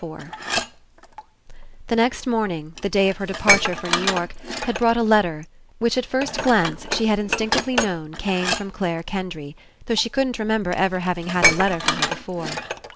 FOUR The next morning, the day of her departure for New York, had brought a letter, which, at first glance, she had instinctively known came from Clare Kendry, though she couldn't re member ever having had a letter from her be fore.